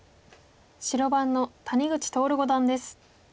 白番の谷口徹五段です。